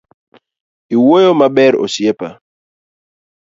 Iwuoyo maber osiepa.